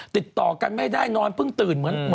ติดต่อกันไม่ได้นอนเพึ่งตื่น